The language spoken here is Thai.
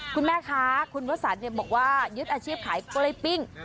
คุณแม่คะคุณวสันบอกว่ายึดอาชีพขายกล้วยปิ้ง